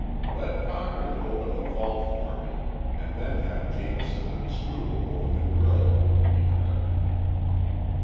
"Let Cochrane open the vault for me and then have Jamison and Strubel open the grille," he directed.